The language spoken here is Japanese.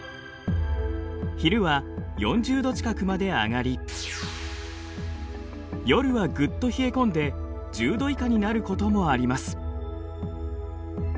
昼は４０度近くまで上がり夜はぐっと冷え込んで１０度以下になることもあります。